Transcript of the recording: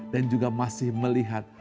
dan juga masih melihat